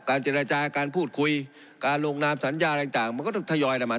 เจรจาการพูดคุยการลงนามสัญญาอะไรต่างมันก็ต้องทยอยนำมา